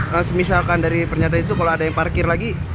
kalau misalkan dari pernyataan itu kalau ada yang parkir lagi